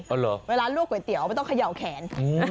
เหรอเวลาลวกก๋วยเตี๋ยวมันต้องเขย่าแขน